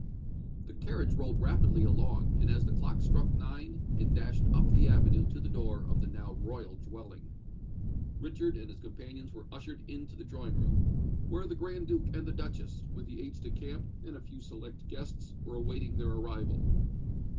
The carriage rolled rapidly along; and as the clock struck nine it dashed up the avenue to the door of the now royal dwelling. Richard and his companions were ushered into the drawing room, where the Grand Duke and the Duchess, with the aides de camp, and a few select guests, were awaiting their arrival.